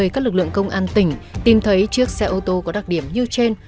các lực lượng công an tỉnh tìm thấy chiếc xe ô tô có đặc điểm như trên